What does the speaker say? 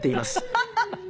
「」ハハハハ。